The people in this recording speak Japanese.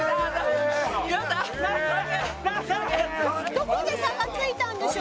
どこで差がついたんでしょうか？